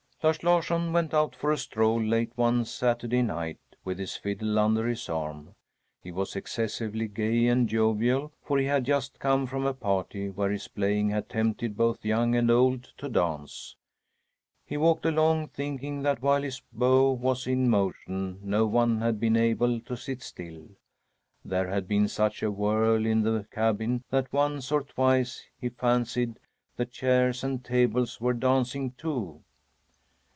Lars Larsson went out for a stroll late one Saturday night, with his fiddle under his arm. He was excessively gay and jovial, for he had just come from a party where his playing had tempted both young and old to dance. He walked along, thinking that while his bow was in motion no one had been able to sit still. There had been such a whirl in the cabin that once or twice he fancied the chairs and tables were dancing too!